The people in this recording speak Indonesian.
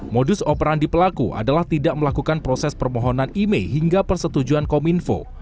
modus operandi pelaku adalah tidak melakukan proses permohonan email hingga persetujuan kominfo